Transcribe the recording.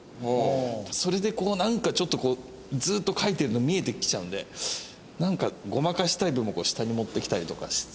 それでなんかちょっとこうずっと描いてると見えてきちゃうのでなんかごまかしたい部分を下に持ってきたりとかして。